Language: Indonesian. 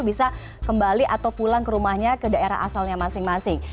bisa kembali atau pulang ke rumahnya ke daerah asalnya masing masing